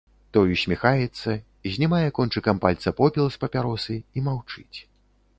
Той усміхаецца, знімае кончыкам пальца попел з папяросы і маўчыць.